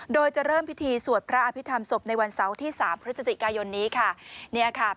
โดยจะเริ่มพิธีสวดพระอภิษฐรรมศพในวันเสาร์ที่สามพฤศจิกายนนี้ค่ะเนี่ยค่ะ